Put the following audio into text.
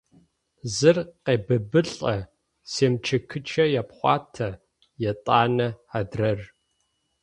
Зыр къебыбылӏэ, семчыкыцэ епхъуатэ, етӏанэ–адрэр…